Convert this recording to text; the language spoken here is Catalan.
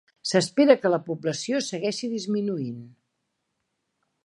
S'espera que la població segueixi disminuint.